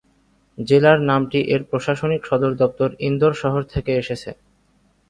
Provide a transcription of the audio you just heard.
জেলার নামটি এর প্রশাসনিক সদরদপ্তর ইন্দোর শহর থেকে এসেছে।